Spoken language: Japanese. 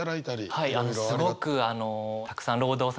はい。